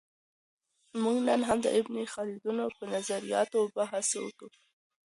موږ نن هم د ابن خلدون په نظریاتو بحث کوو.